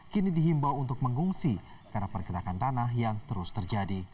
kini dihimbau untuk mengungsi karena pergerakan tanah yang terus terjadi